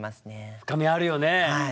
深みあるよね。